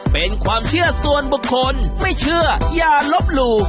เป็นความเชื่อส่วนบุคคลไม่เชื่ออย่าลบหลู่